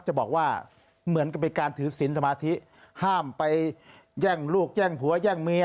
จะบอกว่าเหมือนกับเป็นการถือศิลป์สมาธิห้ามไปแย่งลูกแย่งผัวแย่งเมีย